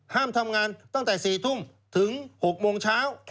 ห้ามทำงานตั้งแต่สี่ทุ่มถึงหกโมงเช้า